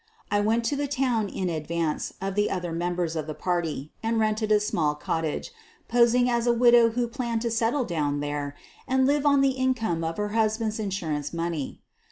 I went to the town in advance of the other mem bers of the party and rented a small cottage, posing as a widow who planned to settle down there and live on the income of her husband's insurance money.